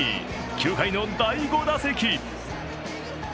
９回の第５打席。